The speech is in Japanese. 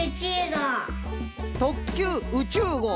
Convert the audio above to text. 「特急宇宙号」。